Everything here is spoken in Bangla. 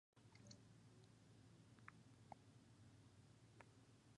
তবে, পরবর্তী টেস্টে অংশ নেয়ার জন্যে দীর্ঘ পাঁচ বছর অপেক্ষার প্রহর গুণতে হয়েছিল তাকে।